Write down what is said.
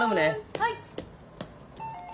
はい！